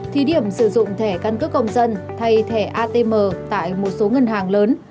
thí điểm sử dụng thẻ căn cước công dân thay thẻ atm tại một số ngân hàng lớn